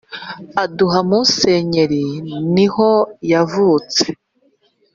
Aduha Musenyeri ni ho yavutse